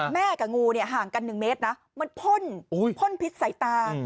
กับงูเนี่ยห่างกัน๑เมตรนะมันพ่นพ่นพิษใส่ตา